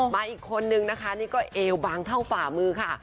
อีกคนนึงนะคะนี่ก็เอวบางเท่าฝ่ามือค่ะ